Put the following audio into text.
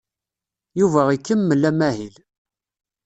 Yuba ikemmel amahil.